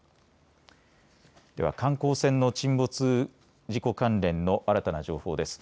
では観光船の沈没事故関連の新たな情報です。